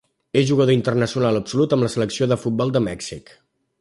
És jugador internacional absolut amb la Selecció de futbol de Mèxic.